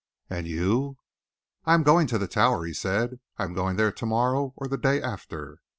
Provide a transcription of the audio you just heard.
"And you?" "I am going to the Tower," he said. "I am going there to morrow or the day after."